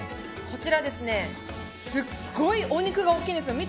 こちら、すっごいお肉が大きいです。